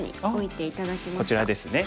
こちらですね。